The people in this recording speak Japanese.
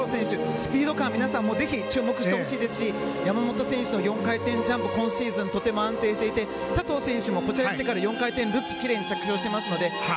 スピード感にぜひ皆さん注目してほしいですし山本選手の４回転ジャンプ今シーズンとても安定していて佐藤選手もこちらに来てから４回転ルッツきれいに着氷しています。